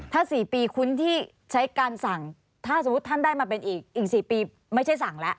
ถ้า๔ปีคุ้นที่ใช้การสั่งถ้าสมมุติท่านได้มาเป็นอีก๔ปีไม่ใช่สั่งแล้ว